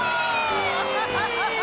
アハハハハ！